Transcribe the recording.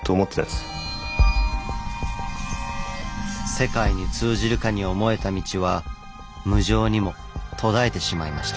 世界に通じるかに思えた道は無情にも途絶えてしまいました。